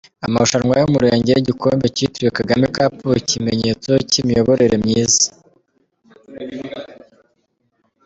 Amarushanwa y’Umurenge y’igikombe kitiriwe Kagame Cup, ikimenyetso cy’Imiyoborere myiza